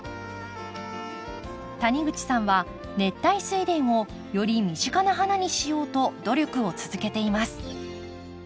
谷口さんは熱帯スイレンをより身近な花にしようと努力を続けています。